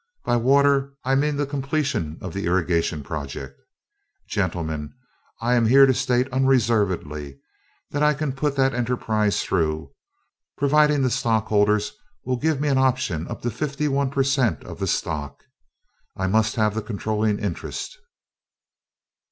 By water I mean the completion of the irrigation project. Gentlemen I am here to state unreservedly that I can put that enterprise through, providing the stockholders will give me an option upon fifty one per cent. of the stock. I must have the controlling interest."